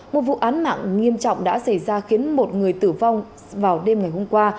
một vụ án mạng nghiêm trọng đã xảy ra khiến một người tử vong vào đêm ngày hôm qua